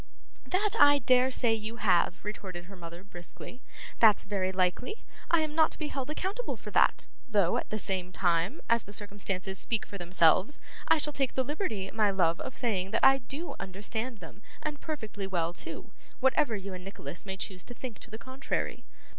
'That I dare say you have,' retorted her mother, briskly. 'That's very likely. I am not to be held accountable for that; though, at the same time, as the circumstances speak for themselves, I shall take the liberty, my love, of saying that I do understand them, and perfectly well too; whatever you and Nicholas may choose to think to the contrary.